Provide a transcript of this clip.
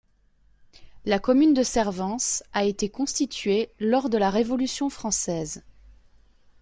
La commune de Servance a été constituée lors de la Révolution française.